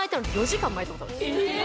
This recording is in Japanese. え！